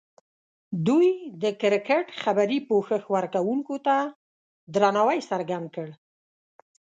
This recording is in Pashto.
دوی د کرکټ خبري پوښښ ورکوونکو ته درناوی څرګند کړ.